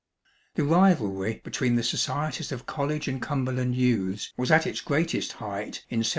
The rivalry between the societies of College and Cumberland Youths was at its greatest height in 1777.